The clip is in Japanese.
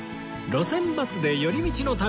『路線バスで寄り道の旅』